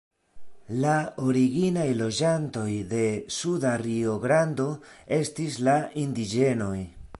La originaj loĝantoj de Suda Rio-Grando estis la indiĝenoj.